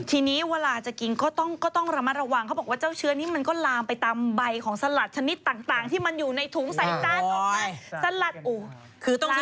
ทีนี้เวลาจะกินก็ต้องระมัดระวังเขาบอกว่าเจ้าเชื้อนี้มันก็ลามไปตามใบของสลัดชนิดต่างที่มันอยู่ในถุงใส่ตานออกมา